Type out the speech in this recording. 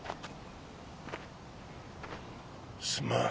すまん。